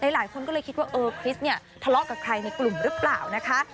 หลายคนก็เลยคิดว่าเออคริสเนี่ยทะเลาะกับใครในกลุ่มหรือเปล่านะคะ